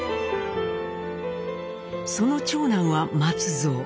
その長男は松蔵。